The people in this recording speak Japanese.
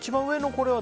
これは。